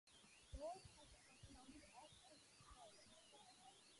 Dors tries to help Seldon also as a historian.